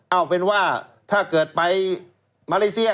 เอาเป็นว่าถ้าเกิดไปมาเลเซีย